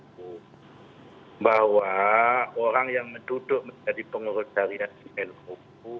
tidak boleh merangkap duduk menjadi pengurus harian di nu